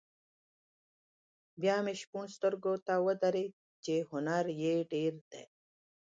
بیا مې شپون سترګو ته ودرېد چې هنر یې ډېر دی.